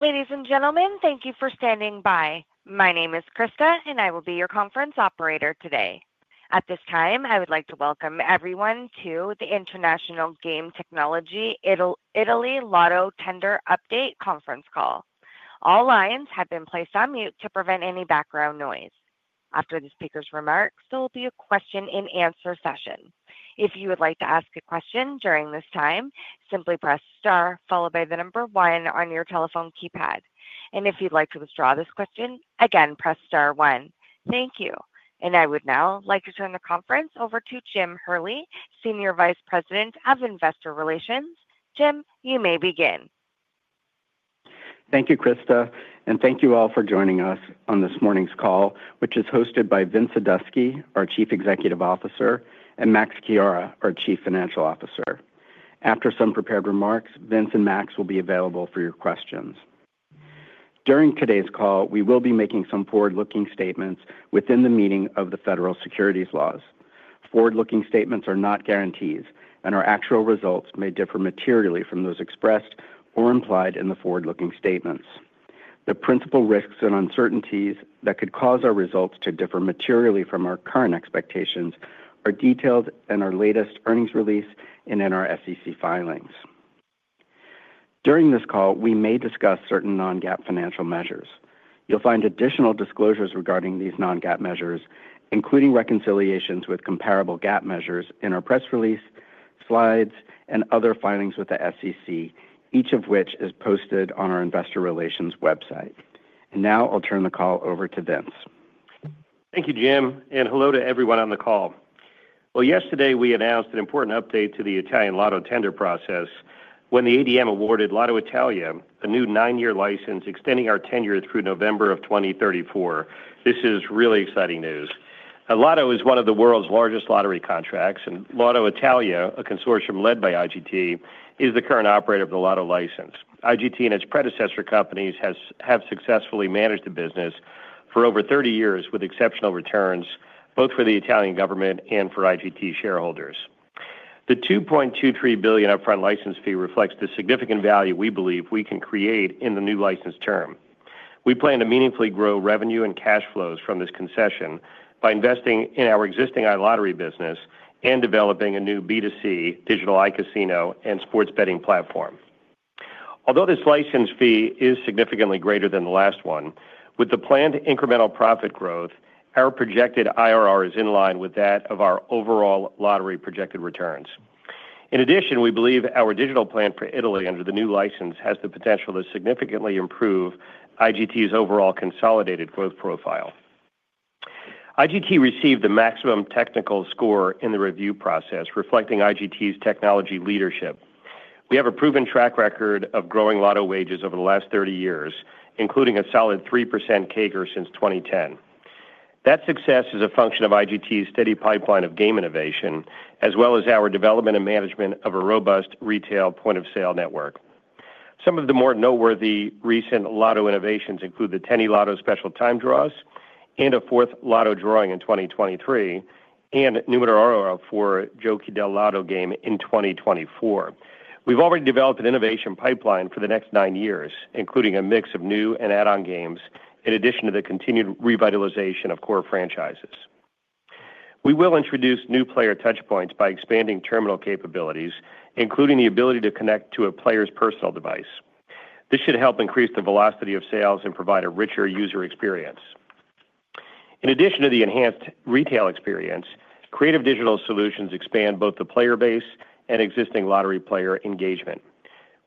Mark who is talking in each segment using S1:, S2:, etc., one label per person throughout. S1: Ladies and gentlemen, thank you for standing by. My name is Krista, and I will be your conference operator today. At this time, I would like to welcome everyone to the International Game Technology Italy Lotto Tender Update conference call. All lines have been placed on mute to prevent any background noise. After the speaker's remarks, there will be a question-and-answer session. If you would like to ask a question during this time, simply press star followed by the number one on your telephone keypad. If you'd like to withdraw this question, again, press star one. Thank you. I would now like to turn the conference over to Jim Hurley, Senior Vice President of Investor Relations. Jim, you may begin.
S2: Thank you, Krista, and thank you all for joining us on this morning's call, which is hosted by Vince Sadusky, our Chief Executive Officer, and Max Chiara, our Chief Financial Officer. After some prepared remarks, Vince and Max will be available for your questions. During today's call, we will be making some forward-looking statements within the meaning of the federal securities laws. Forward-looking statements are not guarantees, and our actual results may differ materially from those expressed or implied in the forward-looking statements. The principal risks and uncertainties that could cause our results to differ materially from our current expectations are detailed in our latest earnings release and in our SEC filings. During this call, we may discuss certain non-GAAP financial measures. You'll find additional disclosures regarding these non-GAAP measures, including reconciliations with comparable GAAP measures in our press release, slides, and other filings with the SEC, each of which is posted on our investor relations website. Now I'll turn the call over to Vince.
S3: Thank you, Jim. Hello to everyone on the call. Yesterday we announced an important update to the Italian Lotto tender process when the ADM awarded [LottoItalia] a new nine-year license extending our tenure through November of 2034. This is really exciting news. Lotto is one of the world's largest lottery contracts, and Lotto Italia, a consortium led by IGT, is the current operator of the Lotto license. IGT and its predecessor companies have successfully managed the business for over 30 years with exceptional returns, both for the Italian government and for IGT shareholders. The 2.23 billion upfront license fee reflects the significant value we believe we can create in the new license term. We plan to meaningfully grow revenue and cash flows from this concession by investing in our existing iLottery business and developing a new B2C digital iCasino and sports betting platform. Although this license fee is significantly greater than the last one, with the planned incremental profit growth, our projected IRR is in line with that of our overall lottery projected returns. In addition, we believe our digital plan for Italy under the new license has the potential to significantly improve IGT's overall consolidated growth profile. IGT received the maximum technical score in the review process, reflecting IGT's technology leadership. We have a proven track record of growing lotto wagers over the last 30 years, including a solid 3% CAGR since 2010. That success is a function of IGT's steady pipeline of game innovation, as well as our development and management of a robust retail point-of-sale network. Some of the more noteworthy recent lotto innovations include the 10eLotto special time draws and a fourth lotto drawing in 2023, and Numero ORO for De Lotto game in 2024. We've already developed an innovation pipeline for the next nine years, including a mix of new and add-on games, in addition to the continued revitalization of core franchises. We will introduce new player touchpoints by expanding terminal capabilities, including the ability to connect to a player's personal device. This should help increase the velocity of sales and provide a richer user experience. In addition to the enhanced retail experience, Creative Digital Solutions expand both the player base and existing lottery player engagement.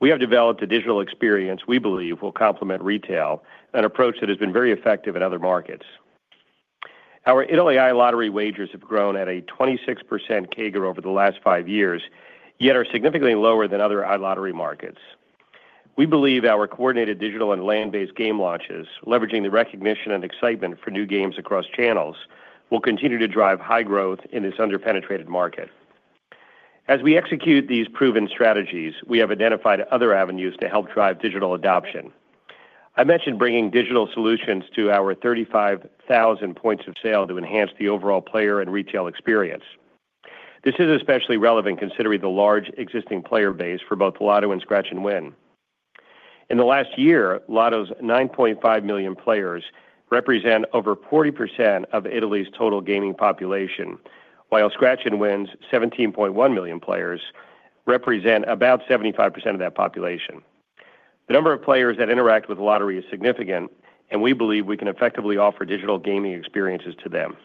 S3: We have developed a digital experience we believe will complement retail, an approach that has been very effective in other markets. Our Italy iLottery wagers have grown at a 26% CAGR over the last five years, yet are significantly lower than other iLottery markets. We believe our coordinated digital and land-based game launches, leveraging the recognition and excitement for new games across channels, will continue to drive high growth in this underpenetrated market. As we execute these proven strategies, we have identified other avenues to help drive digital adoption. I mentioned bringing digital solutions to our 35,000 points of sale to enhance the overall player and retail experience. This is especially relevant considering the large existing player base for both Lotto and Scratch & Win. In the last year, Lotto's 9.5 million players represent over 40% of Italy's total gaming population, while Scratch & Win's 17.1 million players represent about 75% of that population. The number of players that interact with the lottery is significant, and we believe we can effectively offer digital gaming experiences to them.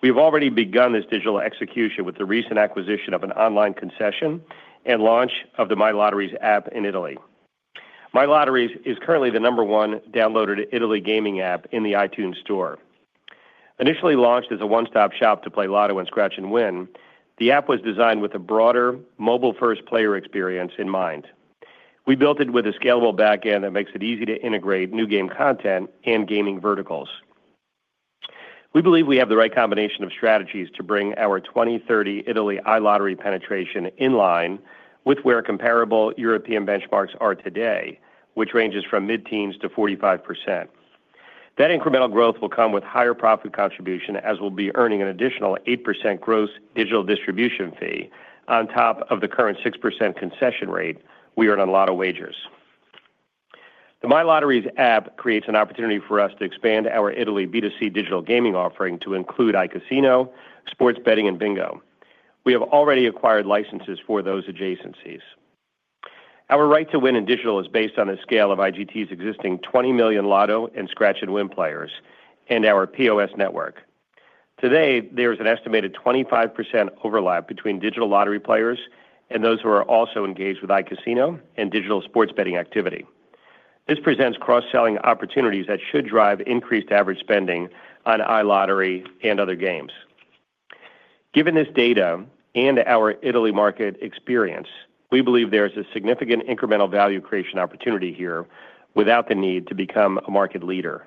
S3: We have already begun this digital execution with the recent acquisition of an online concession and launch of the My Lotteries app in Italy. My Lotteries is currently the number one downloaded Italy gaming app in the iTunes store. Initially launched as a one-stop shop to play Lotto and Scratch & Win, the app was designed with a broader mobile-first player experience in mind. We built it with a scalable backend that makes it easy to integrate new game content and gaming verticals. We believe we have the right combination of strategies to bring our 2030 Italy iLottery penetration in line with where comparable European benchmarks are today, which ranges from mid-teens to 45%. That incremental growth will come with higher profit contribution, as we'll be earning an additional 8% gross digital distribution fee on top of the current 6% concession rate we earn on lotto wagers. The My Lotteries app creates an opportunity for us to expand our Italy B2C digital gaming offering to include iCasino, sports betting, and bingo. We have already acquired licenses for those adjacencies. Our right to win in digital is based on the scale of IGT's existing 20 million Lotto and Scratch & Win players and our POS network. Today, there is an estimated 25% overlap between digital lottery players and those who are also engaged with iCasino and digital sports betting activity. This presents cross-selling opportunities that should drive increased average spending on iLottery and other games. Given this data and our Italy market experience, we believe there is a significant incremental value creation opportunity here without the need to become a market leader.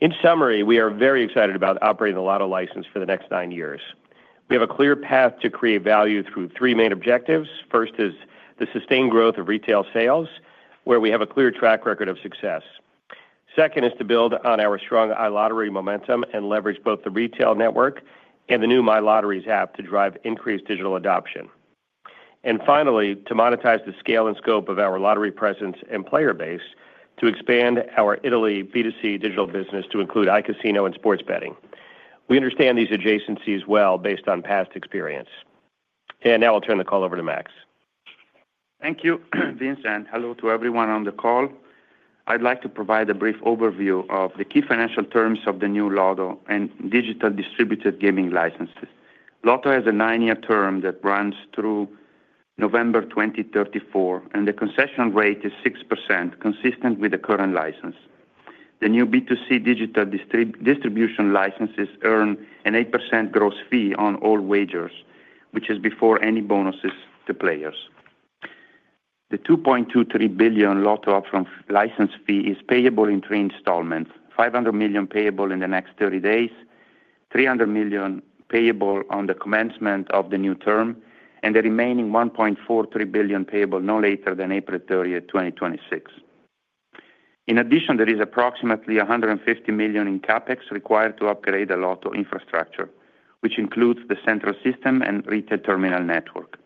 S3: In summary, we are very excited about operating the Lotto license for the next nine years. We have a clear path to create value through three main objectives. First is the sustained growth of retail sales, where we have a clear track record of success. Second is to build on our strong iLottery momentum and leverage both the retail network and the new My Lotteries app to drive increased digital adoption. Finally, to monetize the scale and scope of our lottery presence and player base to expand our Italy B2C digital business to include iCasino and sports betting. We understand these adjacencies well based on past experience. Now I'll turn the call over to Max.
S4: Thank you, Vincent. Hello to everyone on the call. I'd like to provide a brief overview of the key financial terms of the new Lotto and digital distributed gaming licenses. Lotto has a nine-year term that runs through November 2034, and the concession rate is 6%, consistent with the current license. The new B2C digital distribution licenses earn an 8% gross fee on all wagers, which is before any bonuses to players. The 2.23 billion Lotto upfront license fee is payable in three installments: 500 million payable in the next 30 days, 300 million payable on the commencement of the new term, and the remaining 1.43 billion payable no later than April 30th, 2026. In addition, there is approximately 150 million in CapEx required to upgrade the Lotto infrastructure, which includes the central system and retail terminal network.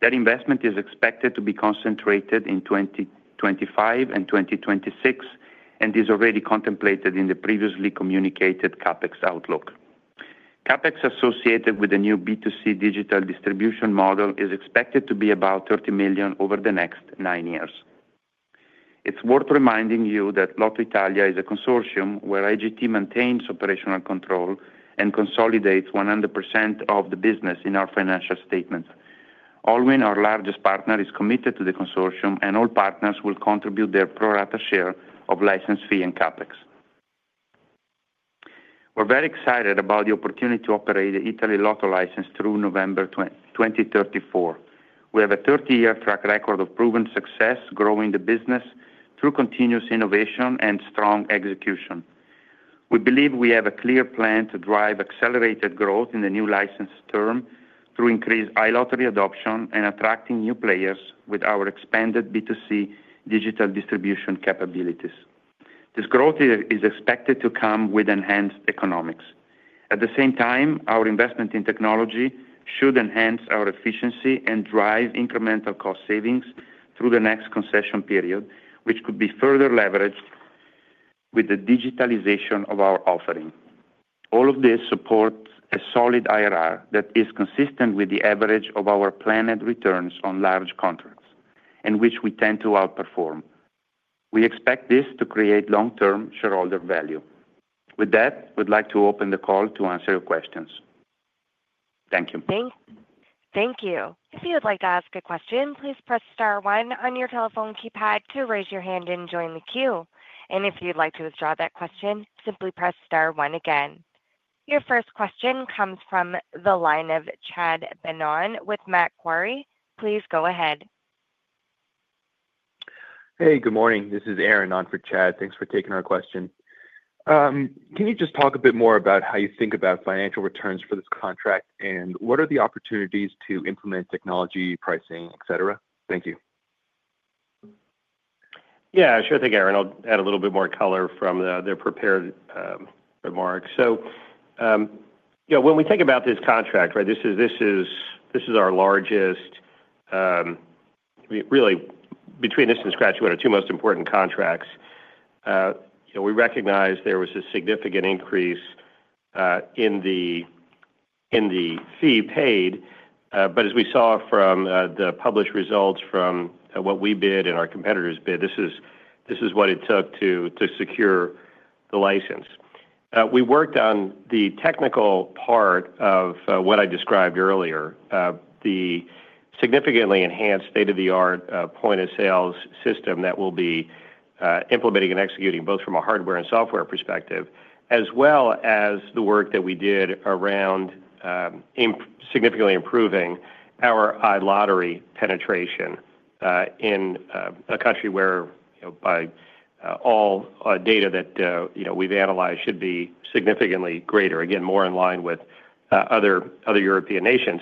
S4: That investment is expected to be concentrated in 2025 and 2026 and is already contemplated in the previously communicated CapEx outlook. CapEx associated with the new B2C digital distribution model is expected to be about 30 million over the next nine years. It's worth reminding you that Lotto Italia is a consortium where IGT maintains operational control and consolidates 100% of the business in our financial statements. Allwyn, our largest partner, is committed to the consortium, and all partners will contribute their pro-rata share of license fee and CapEx. We're very excited about the opportunity to operate the Italy Lotto license through November 2034. We have a 30-year track record of proven success growing the business through continuous innovation and strong execution. We believe we have a clear plan to drive accelerated growth in the new license term through increased iLottery adoption and attracting new players with our expanded B2C digital distribution capabilities. This growth is expected to come with enhanced economics. At the same time, our investment in technology should enhance our efficiency and drive incremental cost savings through the next concession period, which could be further leveraged with the digitalization of our offering. All of this supports a solid IRR that is consistent with the average of our planned returns on large contracts, in which we tend to outperform. We expect this to create long-term shareholder value. With that, we'd like to open the call to answer your questions. Thank you.
S1: Thank you. If you'd like to ask a question, please press star one on your telephone keypad to raise your hand and join the queue. If you'd like to withdraw that question, simply press star one again. Your first question comes from the line of Chad Benon with Matt Quarry. Please go ahead.
S5: Hey, good morning. This is Aaron on for Chad. Thanks for taking our question. Can you just talk a bit more about how you think about financial returns for this contract, and what are the opportunities to implement technology, pricing, etc.? Thank you.
S3: Yeah, sure thing, Aaron. I'll add a little bit more color from the prepared remark. When we think about this contract, this is our largest really, between this and Scratch, one of the two most important contracts. We recognize there was a significant increase in the fee paid, but as we saw from the published results from what we bid and our competitors bid, this is what it took to secure the license. We worked on the technical part of what I described earlier, the significantly enhanced state-of-the-art point-of-sale system that we'll be implementing and executing both from a hardware and software perspective, as well as the work that we did around significantly improving our iLottery penetration in a country where, by all data that we've analyzed, should be significantly greater, again, more in line with other European nations.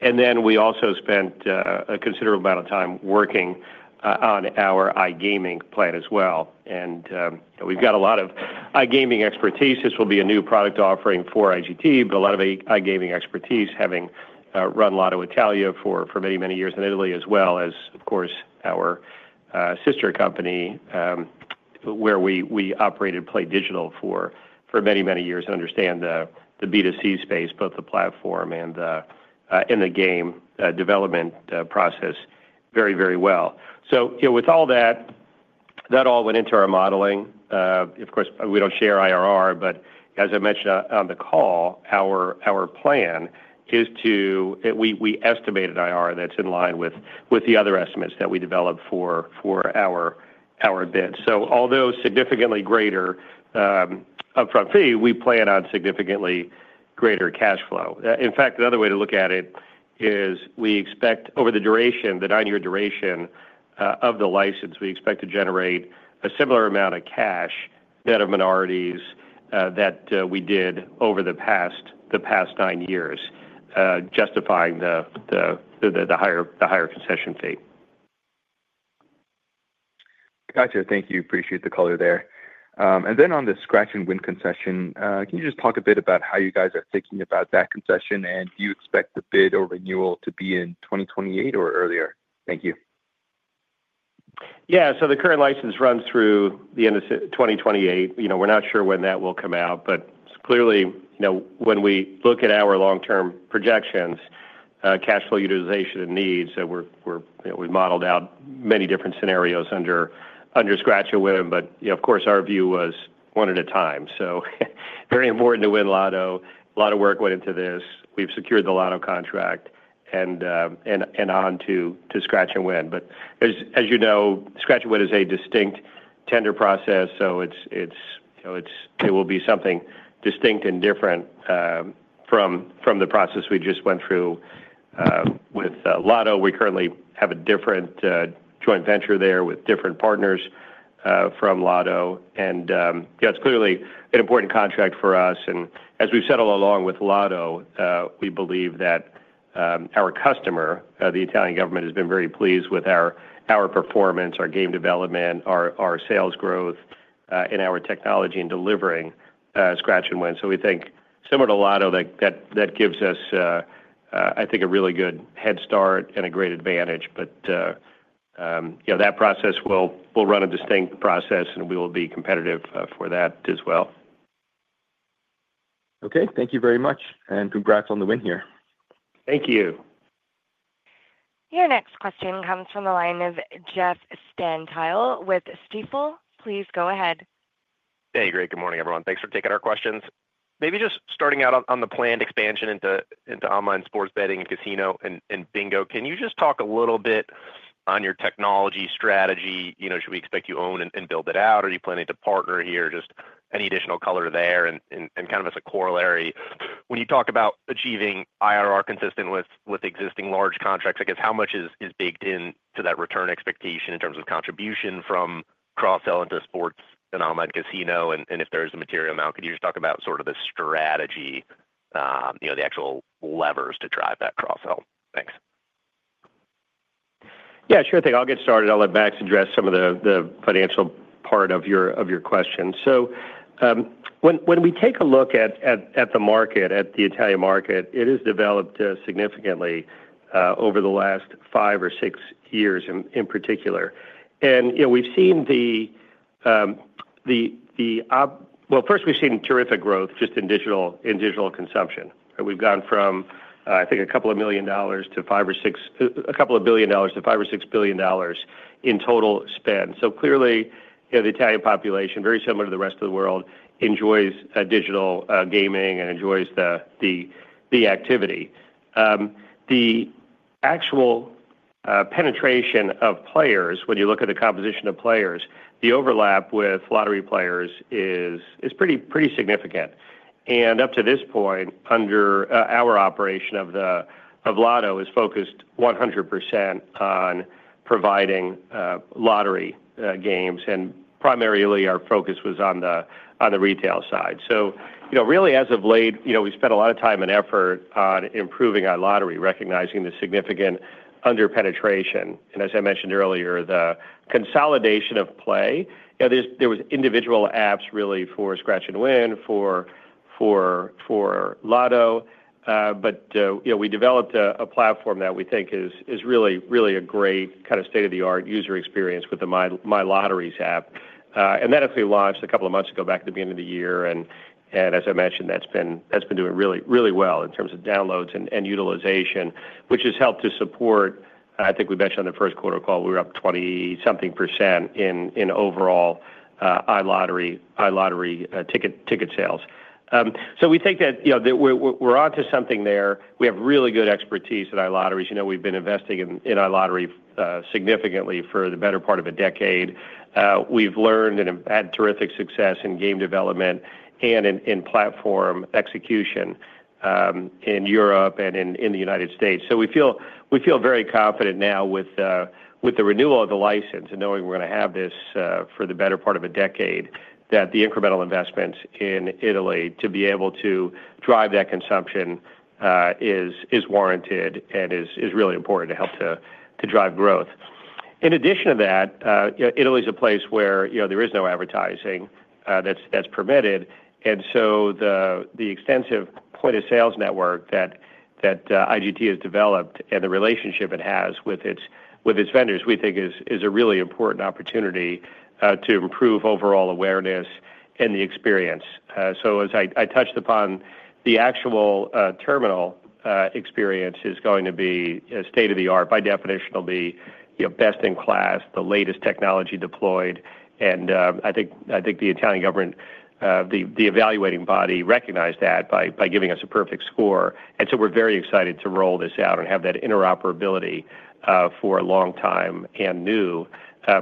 S3: We also spent a considerable amount of time working on our iGaming plan as well. We have a lot of iGaming expertise. This will be a new product offering for IGT, but a lot of iGaming expertise, having run LottoItalia for many, many years in Italy, as well as, of course, our sister company where we operated PlayDigital for many, many years and understand the B2C space, both the platform and the game development process very, very well. With all that, that all went into our modeling. Of course, we do not share IRR, but as I mentioned on the call, our plan is to, we estimated IRR that is in line with the other estimates that we developed for our bid. Although significantly greater upfront fee, we plan on significantly greater cash flow. In fact, another way to look at it is we expect over the duration, the nine-year duration of the license, we expect to generate a similar amount of cash that of minorities that we did over the past nine years, justifying the higher concession fee.
S5: Gotcha. Thank you. Appreciate the color there. On the Scratch & Win concession, can you just talk a bit about how you guys are thinking about that concession, and do you expect the bid or renewal to be in 2028 or earlier? Thank you.
S3: Yeah. The current license runs through the end of 2028. We're not sure when that will come out, but clearly, when we look at our long-term projections, cash flow utilization and needs, we modeled out many different scenarios under Scratch & Win, but of course, our view was one at a time. Very important to win Lotto. A lot of work went into this. We've secured the Lotto contract and on to Scratch & Win. As you know, Scratch & Win is a distinct tender process, so it will be something distinct and different from the process we just went through with Lotto. We currently have a different joint venture there with different partners from Lotto. It's clearly an important contract for us. As we've settled along with Lotto, we believe that our customer, the Italian government, has been very pleased with our performance, our game development, our sales growth, and our technology in delivering Scratch & Win. We think, similar to Lotto, that gives us, I think, a really good head start and a great advantage. That process will run a distinct process, and we will be competitive for that as well.
S5: Okay. Thank you very much. Congrats on the win here.
S3: Thank you.
S1: Your next question comes from the line of Jeff Stantial with Stifel. Please go ahead.
S6: Hey, great. Good morning, everyone. Thanks for taking our questions. Maybe just starting out on the planned expansion into online sports betting and casino and bingo, can you just talk a little bit on your technology strategy? Should we expect you to own and build it out, or do you plan to partner here? Just any additional color there and kind of as a corollary. When you talk about achieving IRR consistent with existing large contracts, I guess how much is baked into that return expectation in terms of contribution from cross-sell into sports and online casino? If there is a material amount, could you just talk about sort of the strategy, the actual levers to drive that cross-sell? Thanks.
S3: Yeah, sure thing. I'll get started. I'll let Max address some of the financial part of your question. When we take a look at the market, at the Italian market, it has developed significantly over the last five or six years in particular. We've seen, first, we've seen terrific growth just in digital consumption. We've gone from, I think, a couple of million dollars to 5 million or 6 million, a couple of billion dollars to 5 billion or 6 billion dollars in total spend. Clearly, the Italian population, very similar to the rest of the world, enjoys digital gaming and enjoys the activity. The actual penetration of players, when you look at the composition of players, the overlap with lottery players is pretty significant. Up to this point, our operation of Lotto is focused 100% on providing lottery games, and primarily our focus was on the retail side. Really, as of late, we've spent a lot of time and effort on improving our lottery, recognizing the significant under-penetration. As I mentioned earlier, the consolidation of play, there were individual apps really for Scratch & Win, for Lotto, but we developed a platform that we think is really a great kind of state-of-the-art user experience with the My Lotteries app. That actually launched a couple of months ago back at the beginning of the year. As I mentioned, that's been doing really well in terms of downloads and utilization, which has helped to support, I think we mentioned on the first quarter call, we were up 20-something percent in overall iLottery ticket sales. We think that we're onto something there. We have really good expertise at iLotteries. We've been investing in iLottery significantly for the better part of a decade. We've learned and had terrific success in game development and in platform execution in Europe and in the United States. We feel very confident now with the renewal of the license and knowing we're going to have this for the better part of a decade, that the incremental investments in Italy to be able to drive that consumption is warranted and is really important to help to drive growth. In addition to that, Italy is a place where there is no advertising that's permitted. The extensive point-of-sales network that IGT has developed and the relationship it has with its vendors, we think, is a really important opportunity to improve overall awareness and the experience. As I touched upon, the actual terminal experience is going to be state-of-the-art. By definition, it'll be best in class, the latest technology deployed. I think the Italian government, the evaluating body, recognized that by giving us a perfect score. We are very excited to roll this out and have that interoperability for long-time and new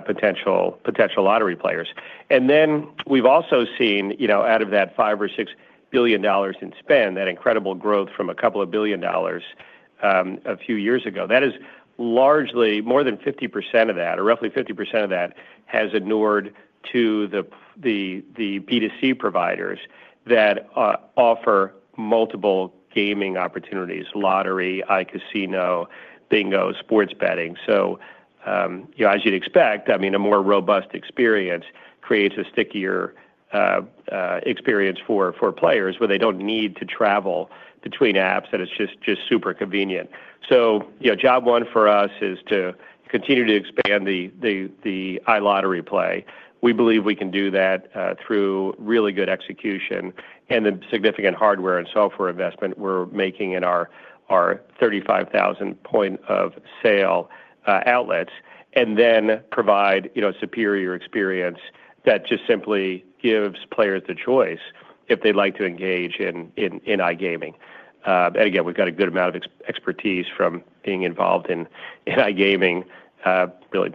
S3: potential lottery players. We've also seen, out of that EUR 5 billion-EUR 6 billion in spend, that incredible growth from a couple of billion dollars a few years ago. That is largely more than 50% of that, or roughly 50% of that, has endured to the B2C providers that offer multiple gaming opportunities: lottery, iCasino, bingo, sports betting. As you'd expect, I mean, a more robust experience creates a stickier experience for players where they do not need to travel between apps, and it's just super convenient. Job one for us is to continue to expand the iLottery play. We believe we can do that through really good execution and the significant hardware and software investment we are making in our 35,000 point-of-sale outlets, and then provide a superior experience that just simply gives players the choice if they'd like to engage in iGaming. Again, we have a good amount of expertise from being involved in iGaming. Really,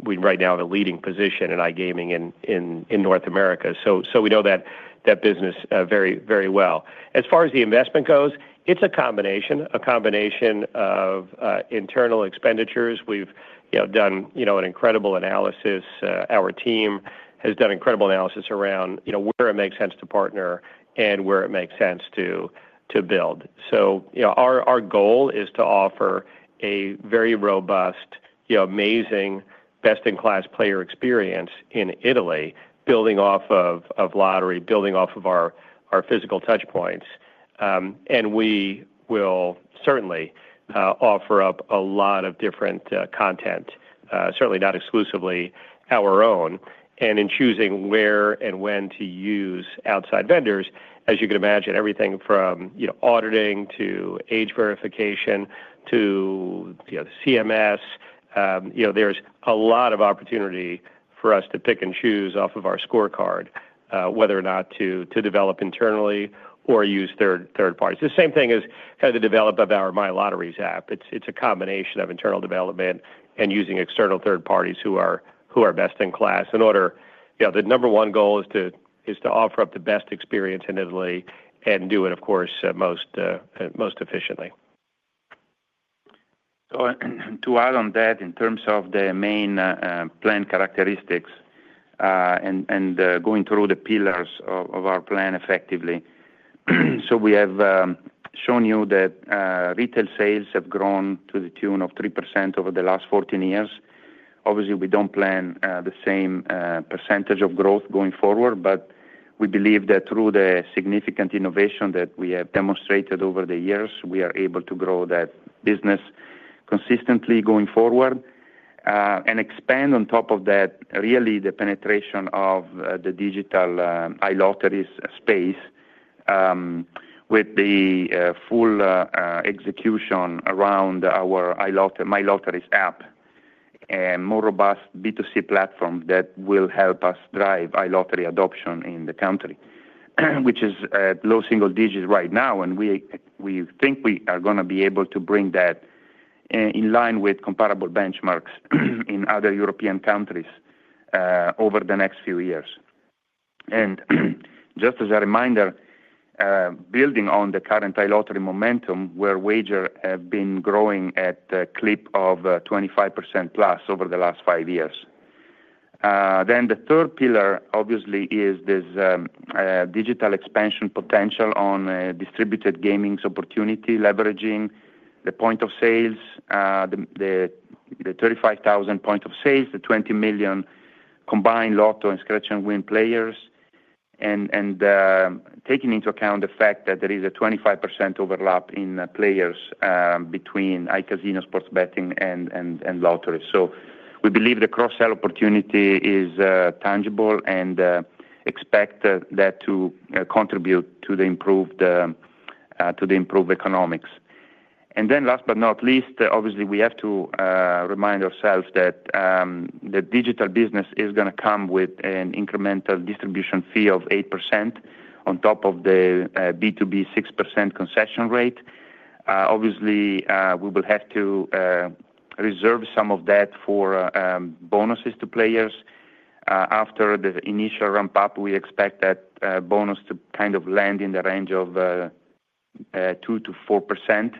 S3: we right now have a leading position in iGaming in North America. We know that business very well. As far as the investment goes, it is a combination of internal expenditures. We have done an incredible analysis. Our team has done incredible analysis around where it makes sense to partner and where it makes sense to build. Our goal is to offer a very robust, amazing, best-in-class player experience in Italy, building off of lottery, building off of our physical touchpoints. We will certainly offer up a lot of different content, certainly not exclusively our own. In choosing where and when to use outside vendors, as you can imagine, everything from auditing to age verification to CMS, there is a lot of opportunity for us to pick and choose off of our scorecard, whether or not to develop internally or use third parties. The same thing is kind of the development of our My Lotteries app. It is a combination of internal development and using external third parties who are best in class. The number one goal is to offer up the best experience in Italy and do it, of course, most efficiently.
S4: To add on that, in terms of the main planned characteristics and going through the pillars of our plan effectively, we have shown you that retail sales have grown to the tune of 3% over the last 14 years. Obviously, we do not plan the same percentage of growth going forward, but we believe that through the significant innovation that we have demonstrated over the years, we are able to grow that business consistently going forward and expand on top of that, really, the penetration of the digital iLottery space with the full execution around our My Lotteries app and more robust B2C platform that will help us drive iLottery adoption in the country, which is at low single digits right now. We think we are going to be able to bring that in line with comparable benchmarks in other European countries over the next few years. Just as a reminder, building on the current iLottery momentum where wagers have been growing at a clip of 25%+ over the last five years. The third pillar, obviously, is this digital expansion potential on distributed gaming opportunity, leveraging the point-of-sales, the 35,000 point-of-sales, the 20 million combined Lotto and Scratch & Win players, and taking into account the fact that there is a 25% overlap in players between iCasino, sports betting, and lotteries. We believe the cross-sale opportunity is tangible and expect that to contribute to the improved economics. Last but not least, obviously, we have to remind ourselves that the digital business is going to come with an incremental distribution fee of 8% on top of the B2B 6% concession rate. Obviously, we will have to reserve some of that for bonuses to players. After the initial ramp-up, we expect that bonus to kind of land in the range of 2%-4%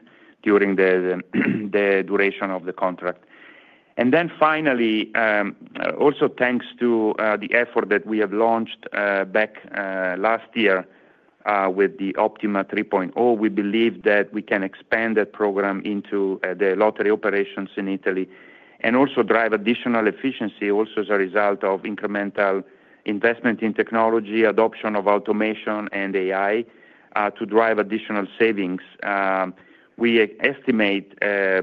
S4: during the duration of the contract. Finally, also thanks to the effort that we have launched back last year with the OPtiMa 3.0, we believe that we can expand that program into the lottery operations in Italy and also drive additional efficiency also as a result of incremental investment in technology, adoption of automation, and AI to drive additional savings. We estimate a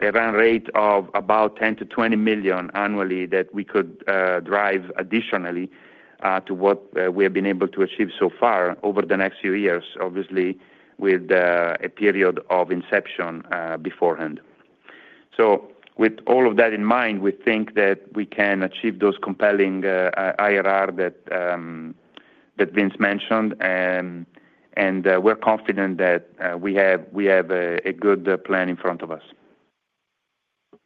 S4: run rate of about 10 million-20 million annually that we could drive additionally to what we have been able to achieve so far over the next few years, obviously, with a period of inception beforehand. With all of that in mind, we think that we can achieve those compelling IRR that Vince mentioned, and we're confident that we have a good plan in front of us.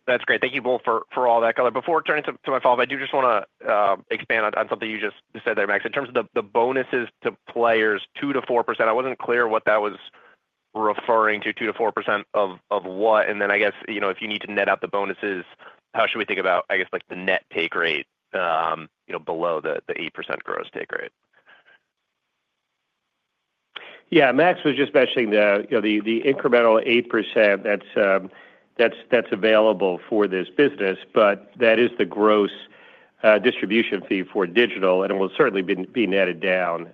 S6: That's great. Thank you both for all that. Before turning to my follow-up, I do just want to expand on something you just said there, Max, in terms of the bonuses to players, 2%-4%. I wasn't clear what that was referring to, 2%-4% of what. I guess if you need to net out the bonuses, how should we think about, I guess, the net take rate below the 8% gross take rate?
S3: Yeah. Max was just mentioning the incremental 8% that's available for this business, but that is the gross distribution fee for digital, and it will certainly be netted down.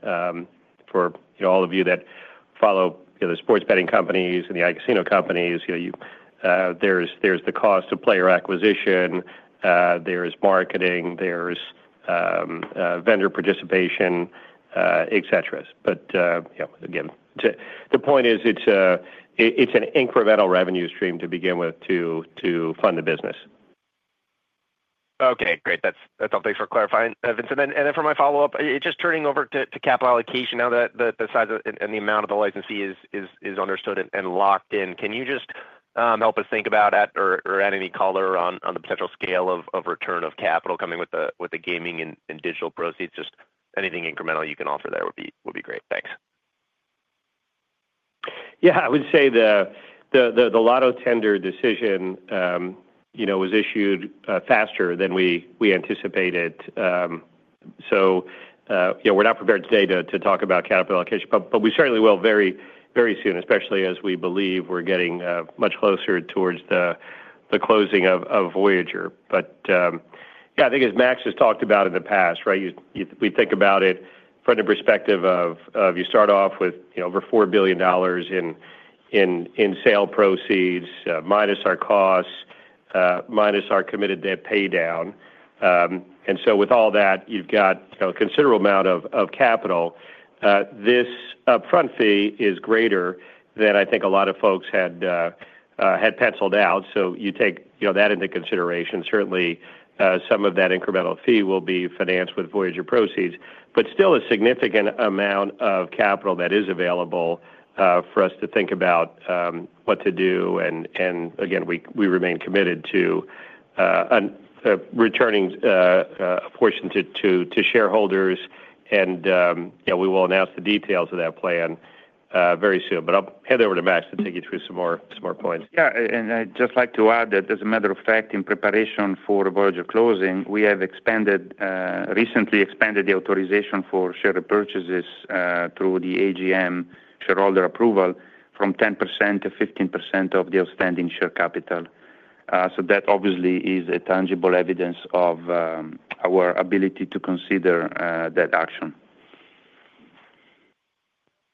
S3: For all of you that follow the sports betting companies and the iCasino companies, there's the cost of player acquisition, there's marketing, there's vendor participation, etc. Again, the point is it's an incremental revenue stream to begin with to fund the business.
S6: Okay. Great. That's all. Thanks for clarifying, Vince. For my follow-up, just turning over to capital allocation, now that the size and the amount of the license is understood and locked in, can you just help us think about, or add any color on the potential scale of return of capital coming with the gaming and digital proceeds? Just anything incremental you can offer there would be great. Thanks.
S3: Yeah. I would say the Lotto tender decision was issued faster than we anticipated. So we're not prepared today to talk about capital allocation, but we certainly will very soon, especially as we believe we're getting much closer towards the closing of Voyager. Yeah, I think as Max has talked about in the past, right, we think about it from the perspective of you start off with over EUR 4 billion in sale proceeds minus our costs minus our committed debt paydown. With all that, you've got a considerable amount of capital. This upfront fee is greater than I think a lot of folks had penciled out. You take that into consideration. Certainly, some of that incremental fee will be financed with Voyager proceeds, but still a significant amount of capital that is available for us to think about what to do. We remain committed to returning a portion to shareholders, and we will announce the details of that plan very soon. I'll hand over to Max to take you through some more points.
S4: Yeah. I'd just like to add that as a matter of fact, in preparation for Voyager closing, we have recently expanded the authorization for share repurchases through the AGM shareholder approval from 10%-15% of the outstanding share capital. That obviously is tangible evidence of our ability to consider that action.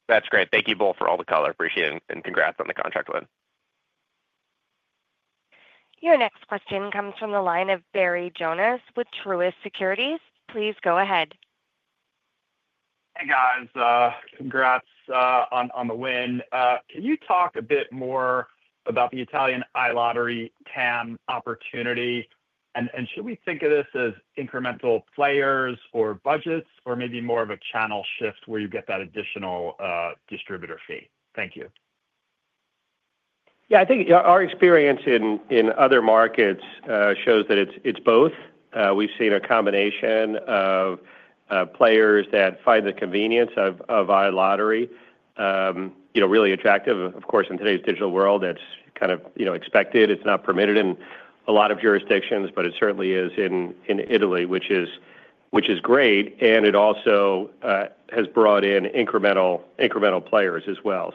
S6: That's great. Thank you both for all the color. Appreciate it. Congrats on the contract win.
S1: Your next question comes from the line of Barry Jonas with Truist Securities. Please go ahead.
S7: Hey, guys. Congrats on the win. Can you talk a bit more about the Italian iLottery TAM opportunity? Should we think of this as incremental players or budgets, or maybe more of a channel shift where you get that additional distributor fee? Thank you.
S3: Yeah. I think our experience in other markets shows that it's both. We've seen a combination of players that find the convenience of iLottery really attractive. Of course, in today's digital world, that's kind of expected. It's not permitted in a lot of jurisdictions, but it certainly is in Italy, which is great. It also has brought in incremental players as well.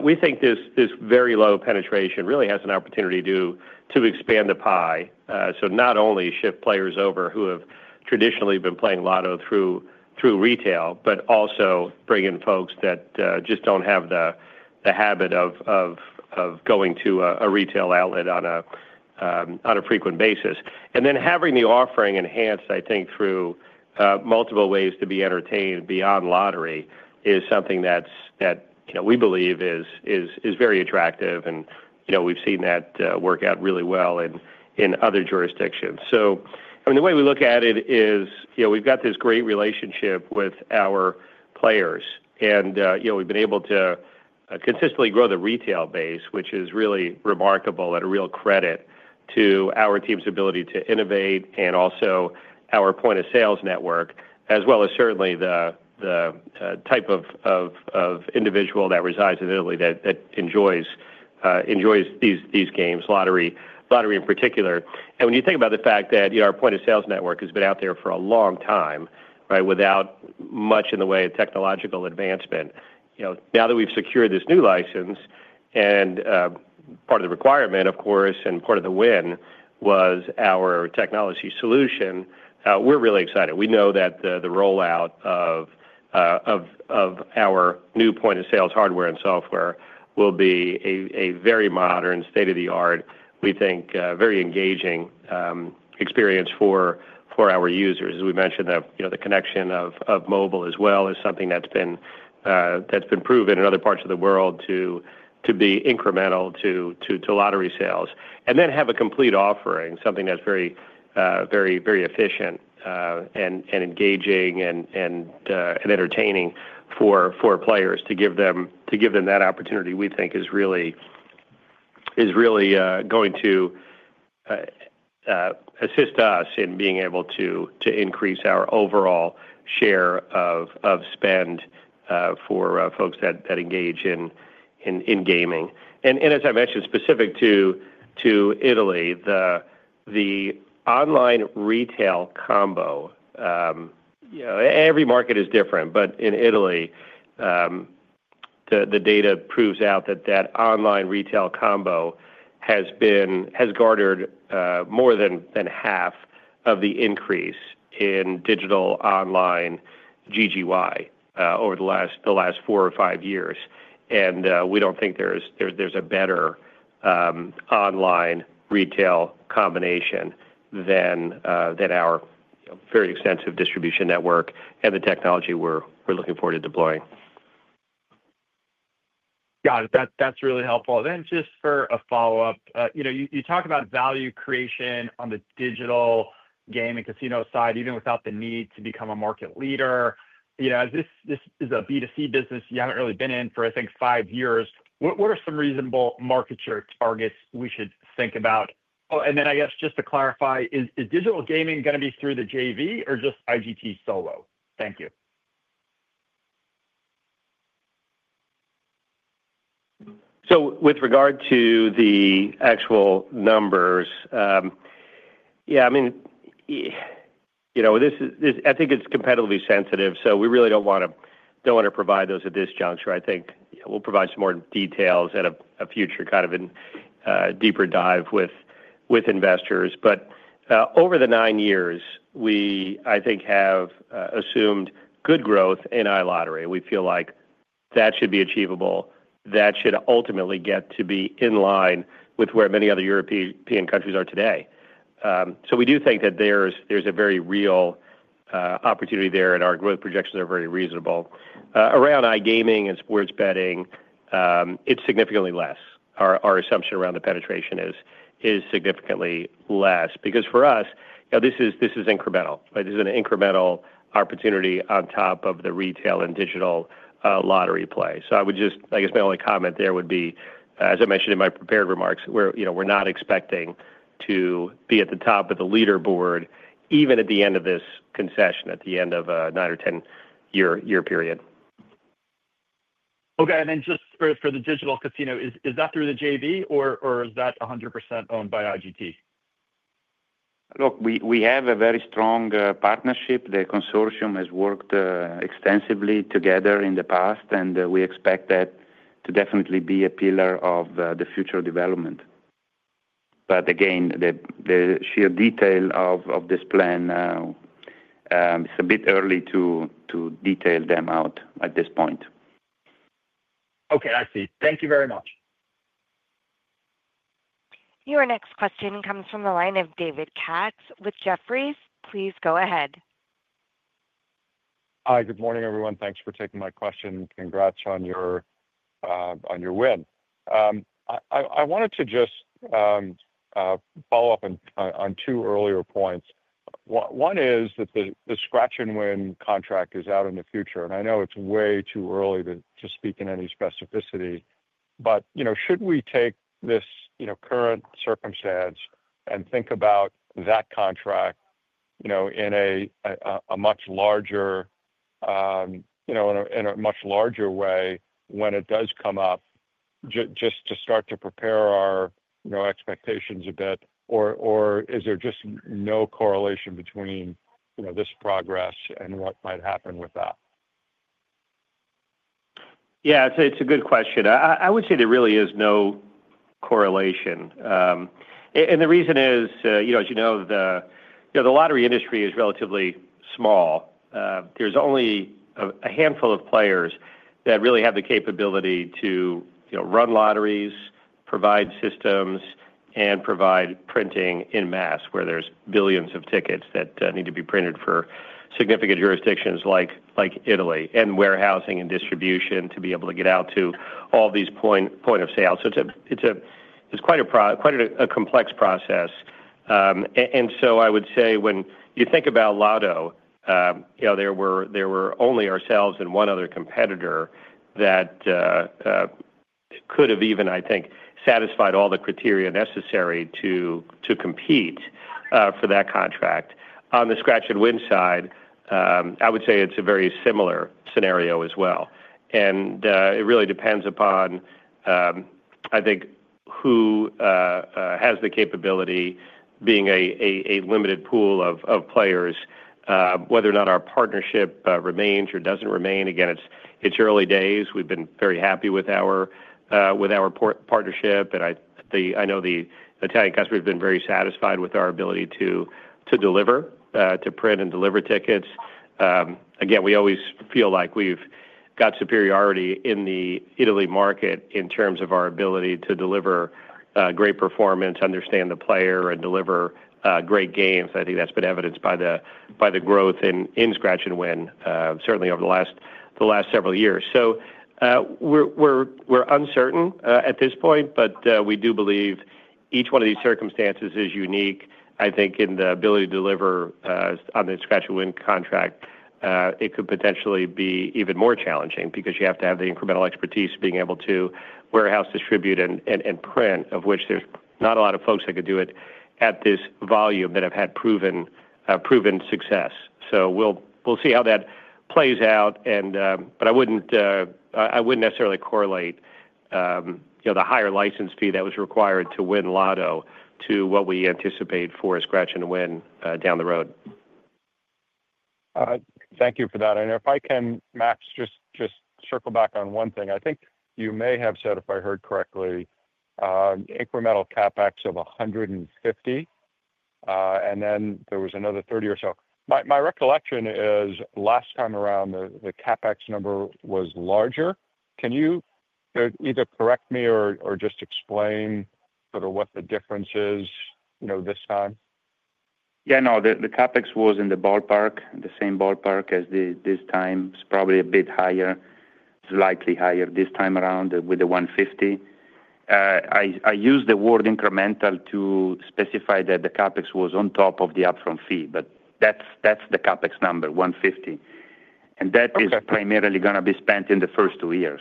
S3: We think this very low penetration really has an opportunity to expand the pie, so not only shift players over who have traditionally been playing Lotto through retail, but also bring in folks that just don't have the habit of going to a retail outlet on a frequent basis. Having the offering enhanced, I think, through multiple ways to be entertained beyond lottery is something that we believe is very attractive. We've seen that work out really well in other jurisdictions. I mean, the way we look at it is we've got this great relationship with our players, and we've been able to consistently grow the retail base, which is really remarkable and a real credit to our team's ability to innovate and also our point-of-sales network, as well as certainly the type of individual that resides in Italy that enjoys these games, lottery in particular. When you think about the fact that our point-of-sales network has been out there for a long time, right, without much in the way of technological advancement, now that we've secured this new license and part of the requirement, of course, and part of the win was our technology solution, we're really excited. We know that the rollout of our new point-of-sales hardware and software will be a very modern, state-of-the-art, we think, very engaging experience for our users. As we mentioned, the connection of mobile as well is something that's been proven in other parts of the world to be incremental to lottery sales. To have a complete offering, something that's very, very efficient and engaging and entertaining for players to give them that opportunity, we think, is really going to assist us in being able to increase our overall share of spend for folks that engage in gaming. As I mentioned, specific to Italy, the online retail combo, every market is different, but in Italy, the data proves out that that online retail combo has garnered more than half of the increase in digital online GGY over the last four or five years. We don't think there's a better online retail combination than our very extensive distribution network and the technology we're looking forward to deploying.
S7: Got it. That's really helpful. Then just for a follow-up, you talk about value creation on the digital game and casino side, even without the need to become a market leader. This is a B2C business you haven't really been in for, I think, five years. What are some reasonable market share targets we should think about? Oh, and then I guess just to clarify, is digital gaming going to be through the JV or just IGT solo? Thank you.
S3: With regard to the actual numbers, yeah, I mean, I think it's competitively sensitive, so we really don't want to provide those at this juncture. I think we'll provide some more details at a future kind of deeper dive with investors. Over the nine years, we, I think, have assumed good growth in iLottery. We feel like that should be achievable. That should ultimately get to be in line with where many other European countries are today. We do think that there's a very real opportunity there, and our growth projections are very reasonable. Around iGaming and sports betting, it's significantly less. Our assumption around the penetration is significantly less because for us, this is incremental. This is an incremental opportunity on top of the retail and digital lottery play. I guess my only comment there would be, as I mentioned in my prepared remarks, we're not expecting to be at the top of the leaderboard even at the end of this concession, at the end of a nine or ten-year period.
S7: Okay. And then just for the digital casino, is that through the JV, or is that 100% owned by IGT?
S4: Look, we have a very strong partnership. The consortium has worked extensively together in the past, and we expect that to definitely be a pillar of the future development. Again, the sheer detail of this plan, it's a bit early to detail them out at this point.
S7: Okay. I see. Thank you very much.
S1: Your next question comes from the line of David Katz with Jefferies. Please go ahead.
S8: Hi. Good morning, everyone. Thanks for taking my question. Congrats on your win. I wanted to just follow up on two earlier points. One is that the Scratch & Win contract is out in the future, and I know it's way too early to speak in any specificity, but should we take this current circumstance and think about that contract in a much larger way when it does come up just to start to prepare our expectations a bit, or is there just no correlation between this progress and what might happen with that?
S3: Yeah. It's a good question. I would say there really is no correlation. The reason is, as you know, the lottery industry is relatively small. There's only a handful of players that really have the capability to run lotteries, provide systems, and provide printing en masse where there's billions of tickets that need to be printed for significant jurisdictions like Italy and warehousing and distribution to be able to get out to all these point-of-sales. It's quite a complex process. I would say when you think about Lotto, there were only ourselves and one other competitor that could have even, I think, satisfied all the criteria necessary to compete for that contract. On the Scratch & Win side, I would say it's a very similar scenario as well. It really depends upon, I think, who has the capability being a limited pool of players, whether or not our partnership remains or does not remain. Again, it is early days. We have been very happy with our partnership. I know the Italian customers have been very satisfied with our ability to deliver, to print and deliver tickets. We always feel like we have got superiority in the Italy market in terms of our ability to deliver great performance, understand the player, and deliver great games. I think that has been evidenced by the growth in Scratch & Win, certainly over the last several years. We are uncertain at this point, but we do believe each one of these circumstances is unique. I think in the ability to deliver on the Scratch & Win contract, it could potentially be even more challenging because you have to have the incremental expertise of being able to warehouse, distribute, and print, of which there's not a lot of folks that could do it at this volume that have had proven success. We'll see how that plays out. I wouldn't necessarily correlate the higher license fee that was required to win Lotto to what we anticipate for Scratch & Win down the road.
S8: Thank you for that. If I can, Max, just circle back on one thing. I think you may have said, if I heard correctly, incremental CapEx of 150 million, and then there was another 30 million or so. My recollection is last time around, the CapEx number was larger. Can you either correct me or just explain sort of what the difference is this time?
S4: Yeah. No, the CapEx was in the ballpark, the same ballpark as this time. It is probably a bit higher, slightly higher this time around with the 150. I used the word incremental to specify that the CapEx was on top of the upfront fee, but that is the CapEx number, 150. That is primarily going to be spent in the first two years.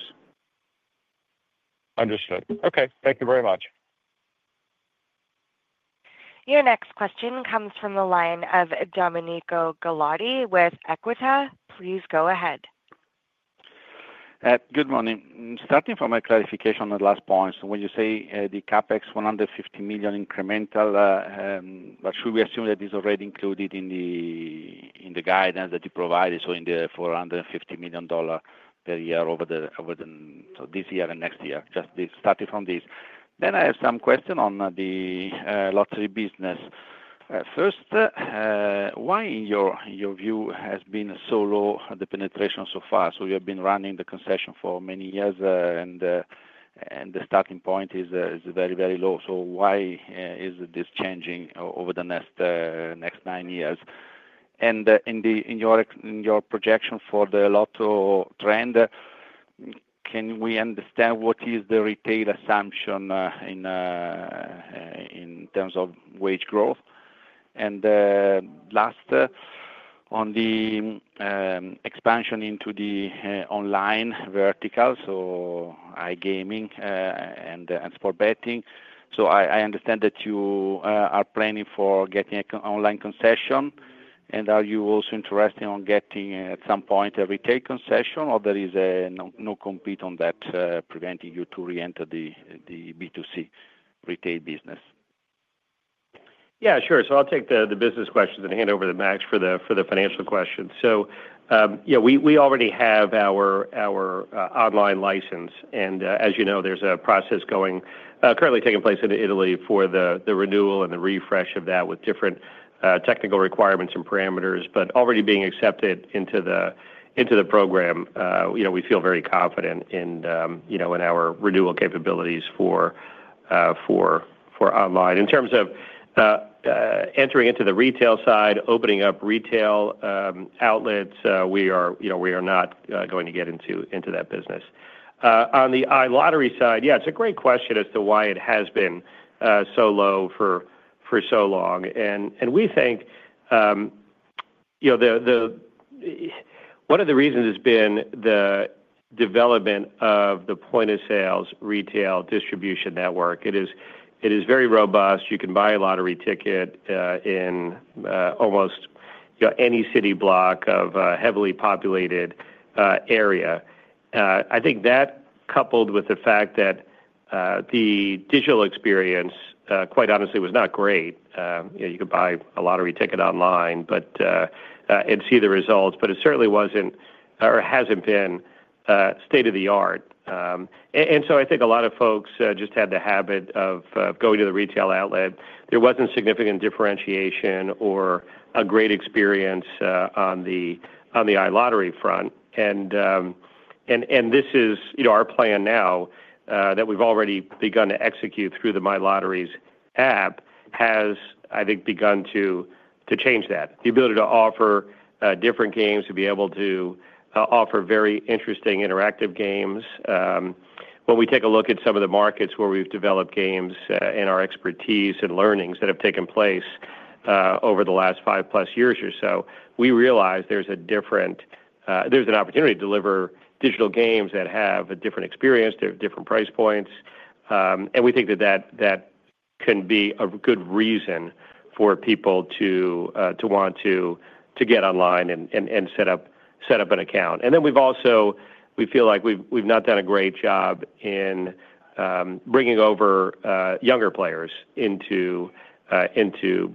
S8: Understood. Okay. Thank you very much.
S1: Your next question comes from the line of Domenico Ghilotti with EQUITA. Please go ahead.
S9: Good morning. Starting from my clarification on the last point, when you say the CapEx, 150 million incremental, should we assume that it's already included in the guidance that you provided? So in the EUR 450 million per year over this year and next year, just starting from this. Then I have some questions on the lottery business. First, why in your view has been so low the penetration so far? You have been running the concession for many years, and the starting point is very, very low. Why is this changing over the next nine years? In your projection for the Lotto trend, can we understand what is the retail assumption in terms of wage growth? Last, on the expansion into the online vertical, iGaming and sports betting, I understand that you are planning for getting an online concession. Are you also interested in getting at some point a retail concession, or is there no compete on that preventing you to re-enter the B2C retail business?
S3: Yeah, sure. I'll take the business questions and hand over to Max for the financial questions. Yeah, we already have our online license. As you know, there's a process currently taking place in Italy for the renewal and the refresh of that with different technical requirements and parameters, but already being accepted into the program. We feel very confident in our renewal capabilities for online. In terms of entering into the retail side, opening up retail outlets, we are not going to get into that business. On the iLottery side, yeah, it's a great question as to why it has been so low for so long. We think one of the reasons has been the development of the point-of-sale retail distribution network. It is very robust. You can buy a lottery ticket in almost any city block of a heavily populated area. I think that coupled with the fact that the digital experience, quite honestly, was not great. You could buy a lottery ticket online and see the results, but it certainly was not or has not been state-of-the-art. I think a lot of folks just had the habit of going to the retail outlet. There was not significant differentiation or a great experience on the iLottery front. This is our plan now that we have already begun to execute through the My Lotteries app, which I think has begun to change that. The ability to offer different games, to be able to offer very interesting interactive games. When we take a look at some of the markets where we have developed games and our expertise and learnings that have taken place over the last five-plus years or so, we realize there is an opportunity to deliver digital games that have a different experience. They have different price points. We think that that can be a good reason for people to want to get online and set up an account. We feel like we've not done a great job in bringing over younger players into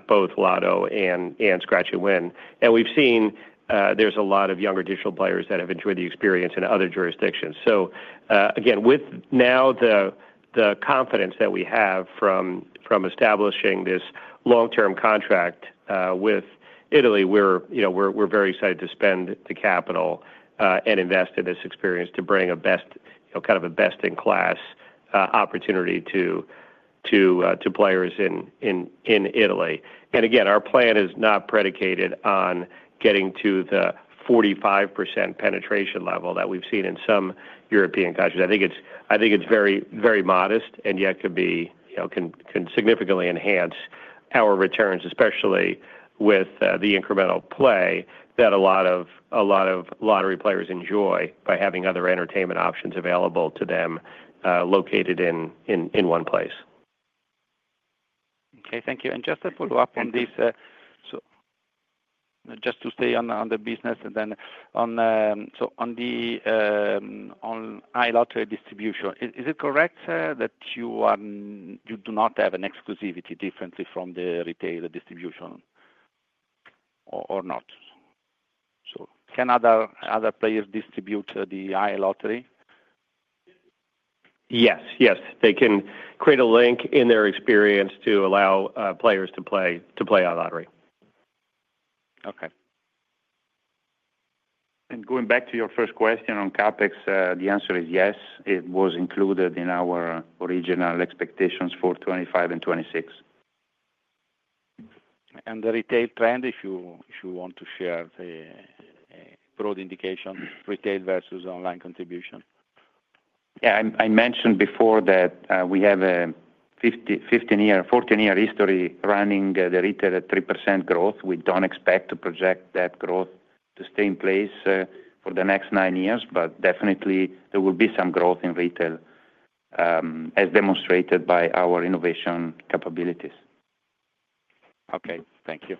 S3: both Lotto and Scratch & Win. We've seen there's a lot of younger digital players that have enjoyed the experience in other jurisdictions. With now the confidence that we have from establishing this long-term contract with Italy, we're very excited to spend the capital and invest in this experience to bring kind of a best-in-class opportunity to players in Italy. Our plan is not predicated on getting to the 45% penetration level that we've seen in some European countries. I think it's very modest, and yet can significantly enhance our returns, especially with the incremental play that a lot of lottery players enjoy by having other entertainment options available to them located in one place.
S9: Okay. Thank you. Just to follow up on this, just to stay on the business and then on the iLottery distribution, is it correct that you do not have an exclusivity differently from the retail distribution or not? Can other players distribute the iLottery?
S3: Yes. Yes. They can create a link in their experience to allow players to play iLottery.
S4: Okay. Going back to your first question on CapEx, the answer is yes. It was included in our original expectations for 2025 and 2026. The retail trend, if you want to share the broad indication, retail versus online contribution? Yeah. I mentioned before that we have a 14-year history running the retail at 3% growth. We do not expect to project that growth to stay in place for the next nine years, but definitely there will be some growth in retail as demonstrated by our innovation capabilities.
S9: Okay. Thank you.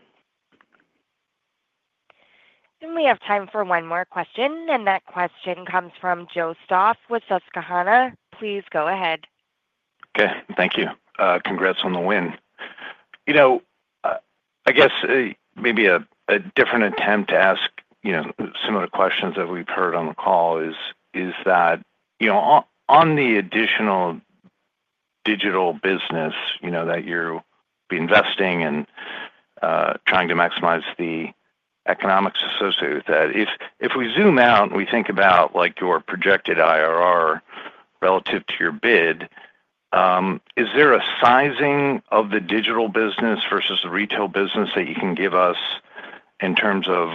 S1: We have time for one more question. That question comes from Joe Stoss with Susquehanna. Please go ahead.
S10: Okay. Thank you. Congrats on the win. I guess maybe a different attempt to ask similar questions that we've heard on the call is that on the additional digital business that you're investing in trying to maximize the economics associated with that, if we zoom out and we think about your projected IRR relative to your bid, is there a sizing of the digital business versus the retail business that you can give us in terms of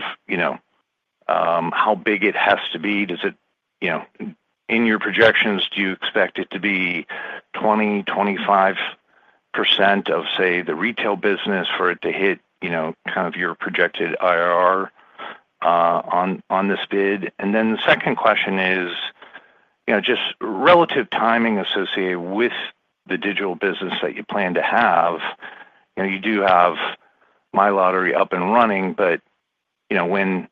S10: how big it has to be? In your projections, do you expect it to be 20%-25% of, say, the retail business for it to hit kind of your projected IRR on this bid? The second question is just relative timing associated with the digital business that you plan to have. You do have My Lotteries up and running, but when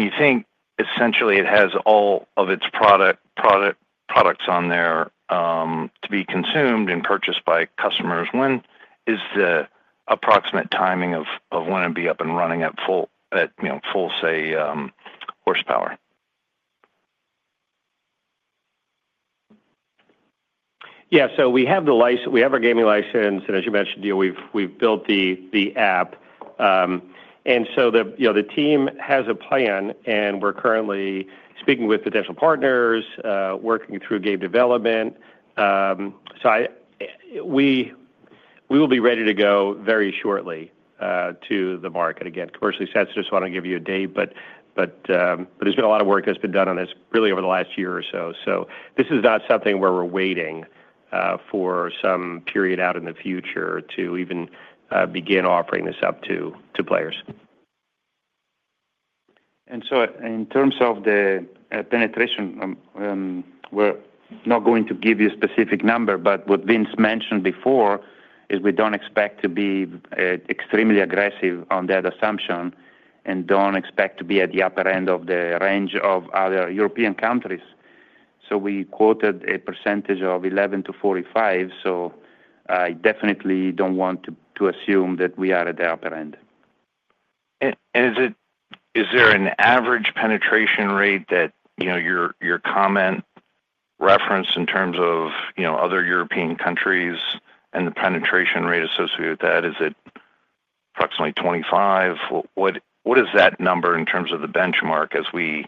S10: you think essentially it has all of its products on there to be consumed and purchased by customers, when is the approximate timing of when it'd be up and running at full, say, horsepower?
S3: Yeah. We have our gaming license. As you mentioned, we've built the app. The team has a plan, and we're currently speaking with potential partners, working through game development. We will be ready to go very shortly to the market. Again, commercially sensitive, so I do not give you a date, but there has been a lot of work that has been done on this really over the last year or so. This is not something where we're waiting for some period out in the future to even begin offering this up to players.
S4: In terms of the penetration, we're not going to give you a specific number, but what Vince mentioned before is we don't expect to be extremely aggressive on that assumption and don't expect to be at the upper end of the range of other European countries. We quoted a percentage of 11%-45%. I definitely don't want to assume that we are at the upper end.
S10: Is there an average penetration rate that your comment referenced in terms of other European countries and the penetration rate associated with that? Is it approximately 25? What is that number in terms of the benchmark as we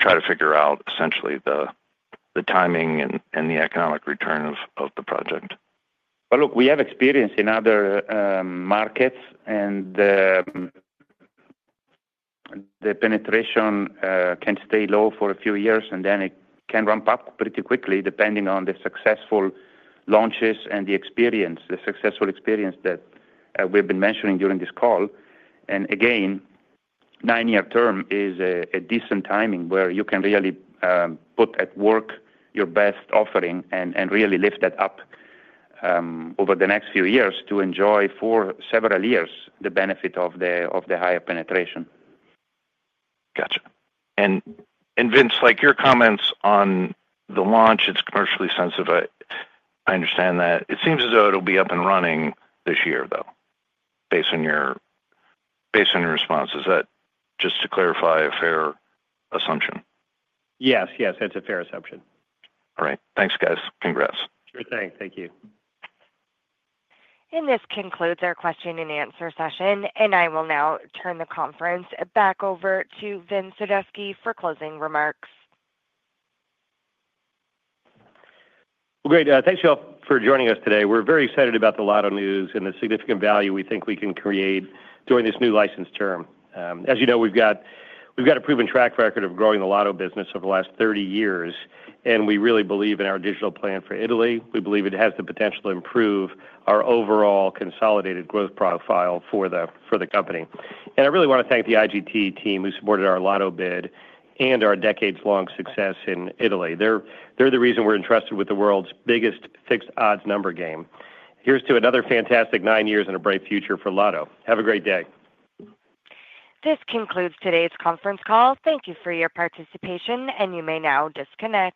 S10: try to figure out essentially the timing and the economic return of the project?
S4: Look, we have experience in other markets, and the penetration can stay low for a few years, and then it can ramp up pretty quickly depending on the successful launches and the experience, the successful experience that we've been mentioning during this call. Again, nine-year term is a decent timing where you can really put at work your best offering and really lift that up over the next few years to enjoy for several years the benefit of the higher penetration.
S10: Gotcha. Vince, your comments on the launch, it's commercially sensitive. I understand that. It seems as though it'll be up and running this year, though, based on your responses. Just to clarify, a fair assumption?
S3: Yes. Yes. That's a fair assumption.
S10: All right. Thanks, guys. Congrats.
S3: Sure thing. Thank you.
S1: This concludes our question and answer session. I will now turn the conference back over to Vince Sadusky for closing remarks.
S3: Thank you all for joining us today. We're very excited about the Lotto news and the significant value we think we can create during this new license term. As you know, we've got a proven track record of growing the Lotto business over the last 30 years. We really believe in our digital plan for Italy. We believe it has the potential to improve our overall consolidated growth profile for the company. I really want to thank the Brightstar Lottery team who supported our Lotto bid and our decades-long success in Italy. They're the reason we're entrusted with the world's biggest fixed odds number game. Here's to another fantastic nine years and a bright future for Lotto. Have a great day.
S1: This concludes today's conference call. Thank you for your participation, and you may now disconnect.